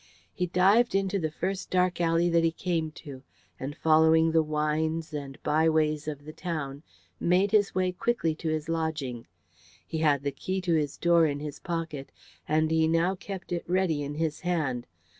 He dived into the first dark alley that he came to, and following the wynds and byways of the town made his way quickly to his lodging. He had the key to his door in his pocket, and he now kept it ready in his hand.